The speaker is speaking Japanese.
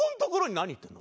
何言ってんの？